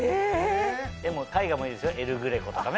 絵も絵画もいいですよエル・グレコとかね。